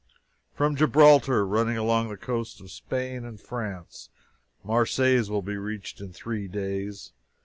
From Gibraltar, running along the coasts of Spain and France, Marseilles will be reached in three days.